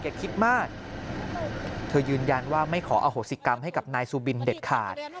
คิดมากเธอยืนยันว่าไม่ขออโหสิกรรมให้กับนายซูบินเด็ดขาด